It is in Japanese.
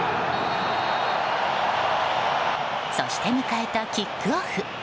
そして迎えたキックオフ。